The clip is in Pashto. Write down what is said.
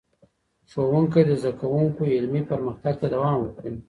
ښوونکی د زدهکوونکو علمي پرمختګ ته دوام ورکوي.